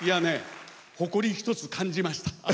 誇り一つ感じました。